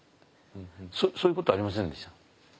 そういうことありませんでした？